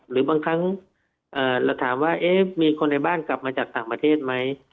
หรือบางครั้งเราถามว่ามีคนในบ้านกลับมาจากต่างประเทศไหม